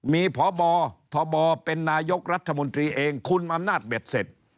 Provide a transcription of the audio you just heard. มีพอบอทอบอเป็นนายกรัฐบาลทีนึงคุณอำนาจเบ็ดเสร็จ